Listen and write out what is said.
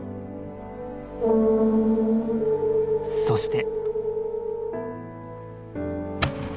そして。